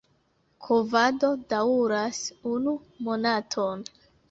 Kovado daŭras unu monaton.